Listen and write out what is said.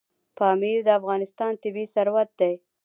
پامیر د افغانستان طبعي ثروت دی.